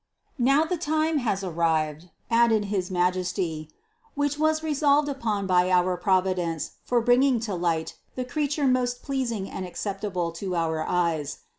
197. "Now the time has arrived" added his Majesty, "which was resolved upon by our Providence for bring ing to light the Creature most pleasing and acceptable to our eyes.